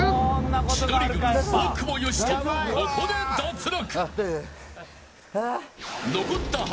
千鳥軍、大久保嘉人もここで脱落。